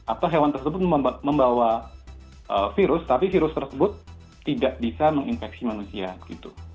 atau hewan tersebut membawa virus tapi virus tersebut tidak bisa menginfeksi manusia gitu